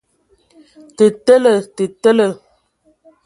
Tə tele! Tə tele.